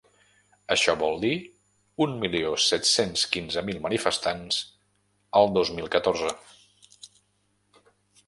Això vol dir un milió set-cents quinze mil manifestants el dos mil catorze.